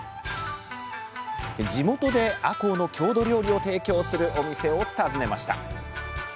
地元であこうの郷土料理を提供するお店を訪ねました。